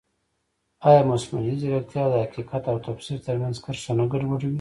ایا مصنوعي ځیرکتیا د حقیقت او تفسیر ترمنځ کرښه نه ګډوډوي؟